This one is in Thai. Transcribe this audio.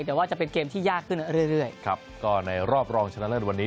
แต่ว่าจะเป็นเกมที่ยากขึ้นเรื่อยเรื่อยครับก็ในรอบรองชนะเลิศวันนี้